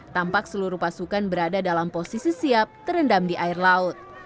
tampak seluruh pasukan berada dalam posisi siap terendam di air laut